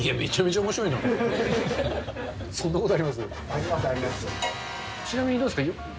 ちなみにどうですか？